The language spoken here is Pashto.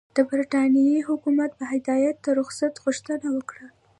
د برټانیې حکومت په هدایت د رخصت غوښتنه وکړه.